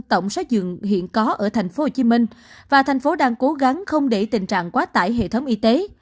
tổng xây dựng hiện có ở tp hcm và thành phố đang cố gắng không để tình trạng quá tải hệ thống y tế